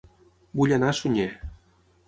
Vull anar a Sunyer